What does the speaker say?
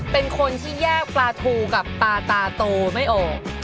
เป็นคนที่แยกปลาทูกับปลาตาโตไม่ออก